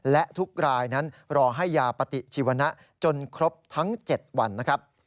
และทุกรายนั้นรอให้ยาปฏิชีวนะจนครบทั้ง๗วันนะครับ